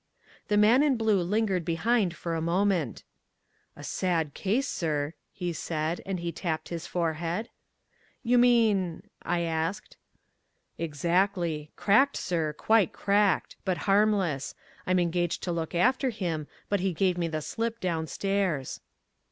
The man in blue lingered behind for a moment. "A sad case, sir," he said, and he tapped his forehead. "You mean " I asked. "Exactly. Cracked, sir. Quite cracked; but harmless. I'm engaged to look after him, but he gave me the slip downstairs."